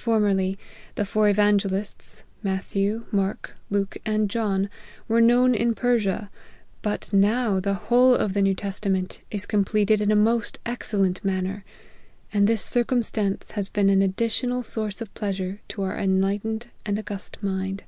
Formerly, the four evangelists, Matthew, Mark, Luke, and John, were known in Persia ; but now the whole of the New Testament is completed in a most ex cellent manner: and this circumstance has been an additional source of pleasure to our enlighten ed and august mind.